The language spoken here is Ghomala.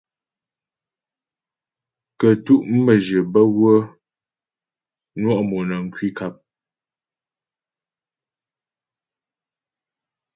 Kə́tu' məjyə bə́ wə́ nwɔ' mɔnəŋ kwi nkap.